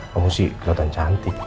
kamu sih kelihatan cantik